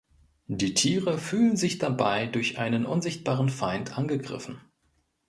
Die Tiere fühlen sich dabei durch einen unsichtbaren Feind angegriffen.